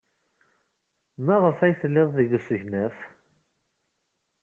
Maɣef ay tellid deg usegnaf?